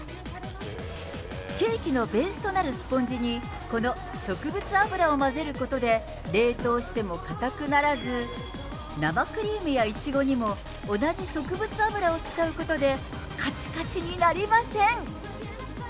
ケーキのベースとなるスポンジにこの植物油を混ぜることで、冷凍しても硬くならず、生クリームやイチゴにも同じ植物油を使うことでかちかちになりません。